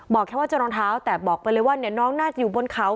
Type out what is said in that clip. บอกแค่ว่าเจอรองเท้าแต่บอกไปเลยว่าน้องน่าจะอยู่บนเขา